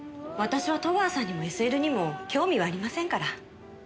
私は戸川さんにもＳＬにも興味はありませんから。